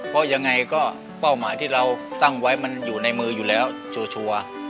เพราะยังไงก็เป้าหมายที่เราตั้งไว้มันอยู่ในมืออยู่แล้วชัวร์